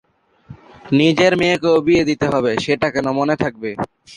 নিজের মেয়েকেও বিয়ে দিতে হবে সেটা কেন মনে থাকবে?